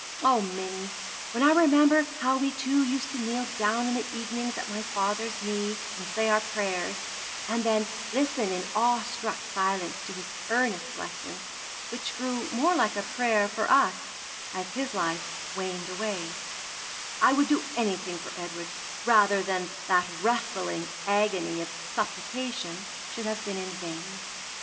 O, Minnie! when I remember how we two used to kneel down in the evenings at my father's knee, and say our prayers; and then listen in awe struck silence to his earnest blessing, which grew more like a prayer for us as his life waned away, I would do anything for Edward rather than that wrestling agony of supplication should have been in vain.